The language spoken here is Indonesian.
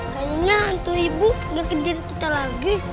kayanya hantu ibu gak keder kita lagi